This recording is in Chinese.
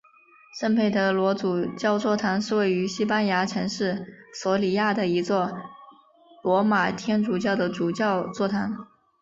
圣佩德罗主教座堂是位于西班牙城市索里亚的一座罗马天主教的主教座堂。